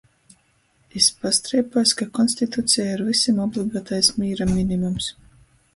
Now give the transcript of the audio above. Jis pastreipuojs, ka konstituceja ir vysim obligatais mīra minimums,